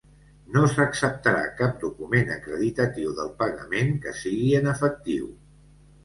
No s'acceptarà cap document acreditatiu del pagament que sigui en efectiu.